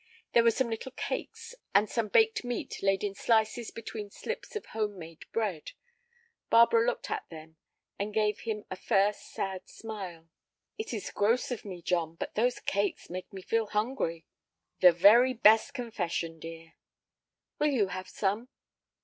There were some little cakes and some baked meat laid in slices between slips of home made bread. Barbara looked at them, and then gave him a first sad smile. "It is gross of me, John, but those cakes make me feel hungry." "The very best confession, dear." "Will you have some?"